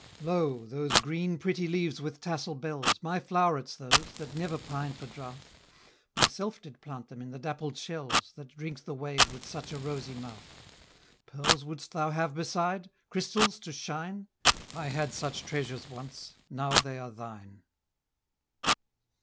"Lo! those green pretty leaves with tassel bells, My flow'rets those, that never pine for drouth; Myself did plant them in the dappled shells, That drink the wave with such a rosy mouth, Pearls wouldst thou have beside? crystals to shine? I had such treasures once, now they are thine."